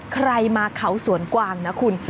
ใครมาเขาสวนกวางนะคุณ